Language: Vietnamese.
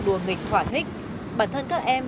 đùa nghịch thỏa thích bản thân các em